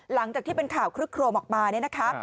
หลังจากที่เป็นข่าวคลึกโครมออกมาเนี่ยนะคะ